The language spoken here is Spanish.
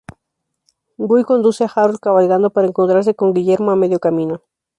Guy conduce a Harold cabalgando para encontrarse con Guillermo a medio camino.